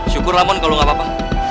syukurlah mondi kalau lo gak apa apa